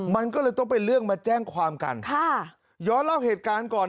มันก็เลยต้องเป็นเรื่องมาแจ้งความกันค่ะย้อนเล่าเหตุการณ์ก่อน